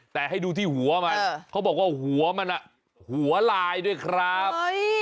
แต่ให้ดูที่หัวมันเขาบอกว่าหัวมันหัวลายด้วยครับ